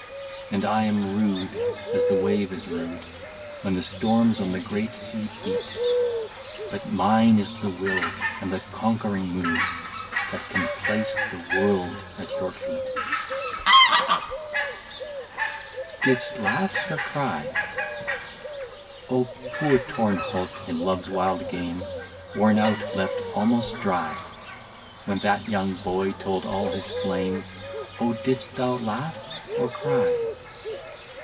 " And I am rude, as the wave is rude. When the storms on the great sea beat. But mine is the will, and the conquering mood, That can place the world at your feet." 40 DIDST LAUGH OR CRY ?* Oh ! poor torn hulk in Love's wild game, Worn out, left almost dry, When that young boy told all his flame. Oh ! didst thou laugh or cry